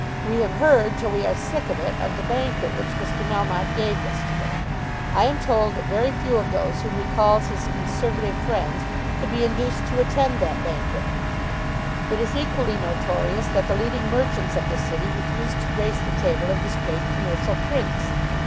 We have heard, till we are sick of it, of the banquet which Mr. Melmotte gave yesterday. I am told that very few of those whom he calls his Conservative friends could be induced to attend that banquet. It is equally notorious that the leading merchants of the City refused to grace the table of this great commercial prince.